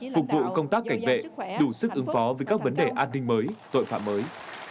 phục vụ công tác cảnh vệ đủ sức ứng phó với các vấn đề an ninh mới tội phạm mới